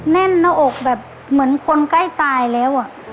แน่นออกแบบเหมือนคนใกล้ตายแล้วอ่ะ